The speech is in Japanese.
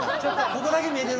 ここだけ見えてる。